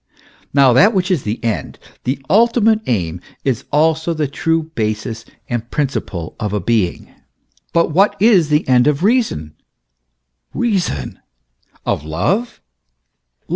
Now that which is the end, the ultimate aim, is also the true basis and principle of a being. But what is the end of reason ? Reason. Of love